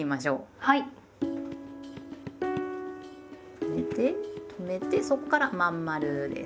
止めて止めてそこから真ん丸です。